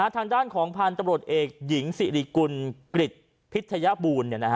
ทางด้านของพันธุ์ตำรวจเอกหญิงสิริกุลกริจพิทยบูล